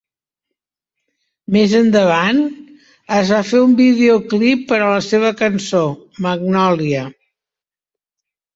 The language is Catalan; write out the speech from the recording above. Més endavant, es va fer un videoclip per a la seva cançó "Magnolia".